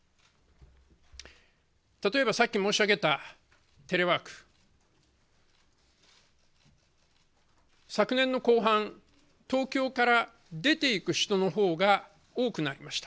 例えば、さっき申し上げたテレワーク、昨年の後半、東京から出て行く人のほうが多くなりました。